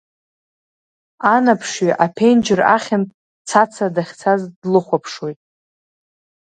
Анаԥшҩы аԥенџьыр ахьынтә Цаца дахьцаз длыхәаԥшуеит.